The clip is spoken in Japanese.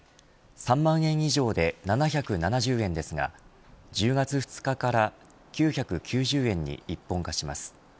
３万円以上で７７０円ですが１０月２日から９９０円に一本化します。